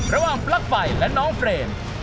ระหว่างลักฟัยและน้องเฟรน